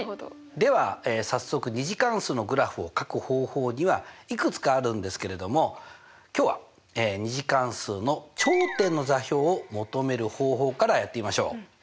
では早速２次関数のグラフをかく方法にはいくつかあるんですけれども今日は２次関数の頂点の座標を求める方法からやってみましょう！